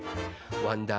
わんだー